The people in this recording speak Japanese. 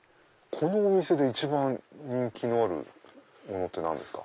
このお店で一番人気のあるもの何ですか？